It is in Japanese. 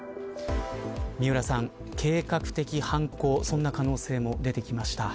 三浦さん、計画的犯行そんな可能性も出てきました。